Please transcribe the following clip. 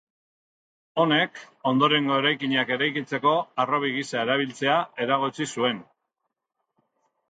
Honek, ondorengo eraikinak eraikitzeko harrobi gisa erabiltzea eragotzi zuen.